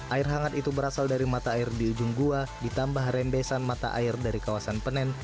air hangat itu berasal dari mata air di ujung gua ditambah rembesan mata air dari kawasan penen